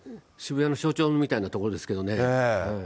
渋谷の象徴みたいなところですけどね。